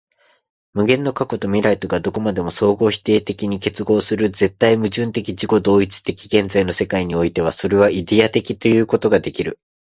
無限の過去と未来とがどこまでも相互否定的に結合する絶対矛盾的自己同一的現在の世界においては、それはイデヤ的ということができる。